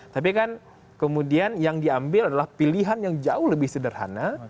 tapi kan kemudian yang diambil adalah pilihan yang jauh lebih sederhana